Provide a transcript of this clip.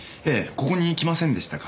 ここに来ませんでしたか？